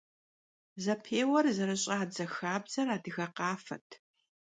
Zepêuer zerış'adze xabzer adıge khafet.